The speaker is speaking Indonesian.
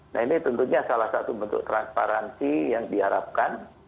nah ini tentunya salah satu bentuk transparansi yang diharapkan